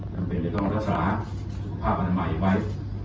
จำเป็นจะต้องรักษาสุขภาพอันใหม่ไว้